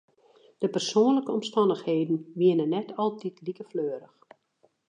De persoanlike omstannichheden wiene net altiten like fleurich.